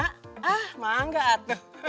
ah mangga tuh